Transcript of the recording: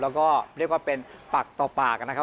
แล้วก็เรียกว่าเป็นปากต่อปากนะครับ